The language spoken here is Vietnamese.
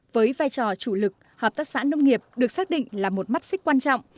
với vai trò chủ lực hợp tác xã nông nghiệp được xác định là một mắt xích quan trọng